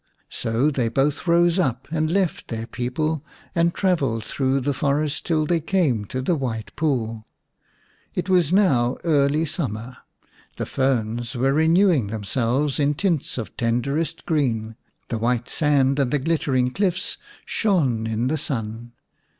So they both rose up and left their people and travelled through the forest till they came to the White Pool. It was now early summer, the ferns were renewing themselves in tints of tenderest green, the white sand and the glitter ing cliffs shone in the sun.